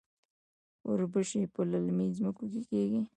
وربشې په للمي ځمکو کې کیږي.